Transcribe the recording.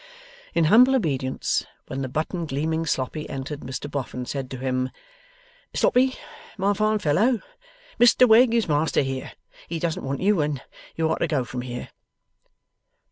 In humble obedience, when the button gleaming Sloppy entered Mr Boffin said to him: 'Sloppy, my fine fellow, Mr Wegg is Master here. He doesn't want you, and you are to go from here.